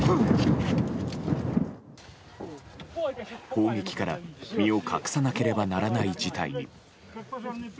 砲撃から身を隠さなければならない事態に。